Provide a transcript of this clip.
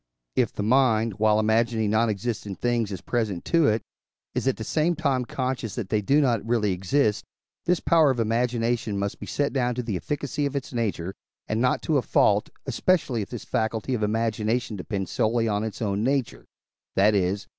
If the mind, while imagining non existent things as present to it, is at the same time conscious that they do not really exist, this power of imagination must be set down to the efficacy of its nature, and not to a fault, especially if this faculty of imagination depend solely on its own nature that is (I.